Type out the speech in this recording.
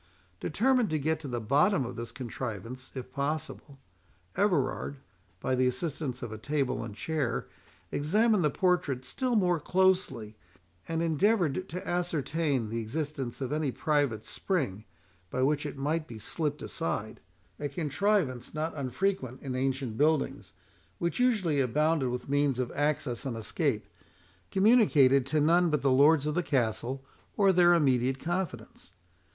Determined to get to the bottom of this contrivance if possible, Everard, by the assistance of a table and chair, examined the portrait still more closely, and endeavoured to ascertain the existence of any private spring, by which it might be slipt aside,—a contrivance not unfrequent in ancient buildings, which usually abounded with means of access and escape, communicated to none but the lords of the castle, or their immediate confidants.